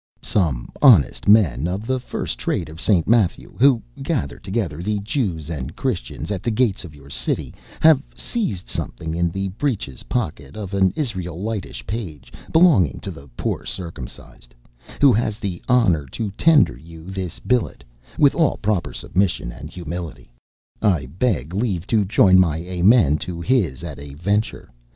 Some honest men of the first trade of St. Matthew, who gather together the Jews and Christians at the gates of your city, have seized something in the breeches pocket of an Israelitish page, belonging to the poor circumcised, who has the honour to tender you this billet, with all proper submission and humility. I beg leave to join my Amen to his at a venture.